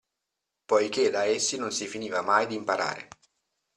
Poiché da essi non si finiva mai di imparare.